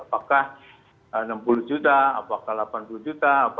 apakah enam puluh juta apakah delapan puluh juta apakah tiga belas juta